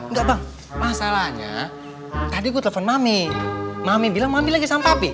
enggak bang masalahnya tadi gue telepon mami mami bilang mami lagi sang papi